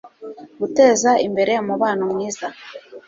guteza imbere umubano mwiza